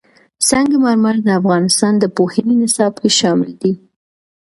سنگ مرمر د افغانستان د پوهنې نصاب کې شامل دي.